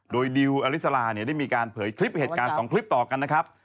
โดยดิวอลิสลาเนี่ยได้มีการเผยคลิปเหตุการณ์๒คลิปต่อกันนะครับ